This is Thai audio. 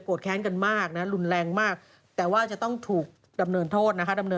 แค้นกันมากนะรุนแรงมากแต่ว่าจะต้องถูกดำเนินโทษนะคะดำเนิน